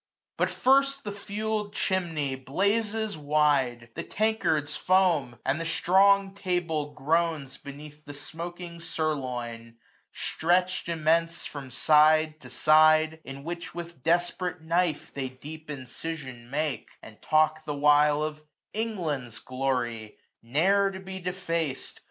But first the fueled chinmey blazes wide ; The tankards foam ; and the strong table groans Beneath the smoking sirloin, stretch'd immense From side to side ; in which, with desperate knife, 505 They deep incision make, and talk the while Of England's glory, ne'er to be defac'd.